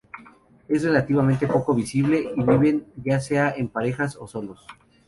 Es relativamente poco visible, y viven ya sea en parejas o solos.